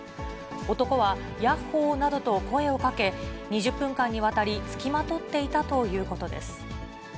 男は、ヤッホーなどと声をかけ、２０分間にわたり付きまとっていたということです。